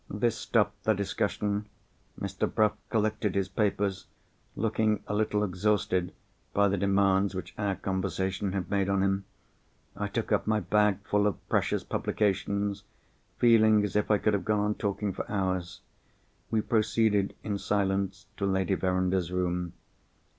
This stopped the discussion. Mr. Bruff collected his papers, looking a little exhausted by the demands which our conversation had made on him. I took up my bag full of precious publications, feeling as if I could have gone on talking for hours. We proceeded in silence to Lady Verinder's room.